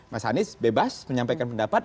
mas anies bebas menyampaikan pendapat